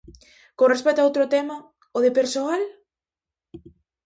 Con respecto a o outro tema, o de persoal?